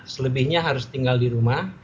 selebihnya harus tinggal di rumah